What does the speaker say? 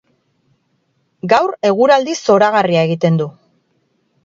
Gaur eguraldi zoragarria egiten du.